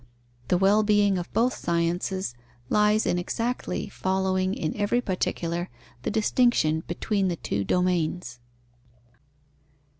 The well being of both sciences lies in exactly following in every particular the distinction between the two domains.